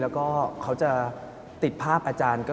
แขกเบอร์ใหญ่ของผมในวันนี้